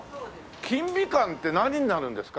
金美館って何になるんですか？